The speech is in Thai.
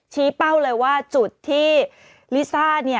เป้าเลยว่าจุดที่ลิซ่า